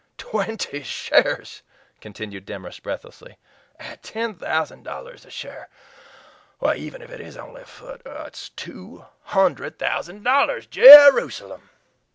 "Twenty shares," continued Demorest breathlessly, "at ten thousand dollars a share even if it's only a foot is two hundred thousand dollars! Jerusalem!"